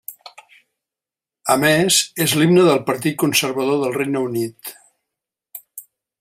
A més, és l'himne del Partit Conservador del Regne Unit.